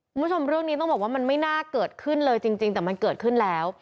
คุณผู้ชมเรื่องนี้ต้องบอกว่ามันไม่น่าเกิดขึ้นเลยจริงแต่มันเกิดขึ้นแล้ว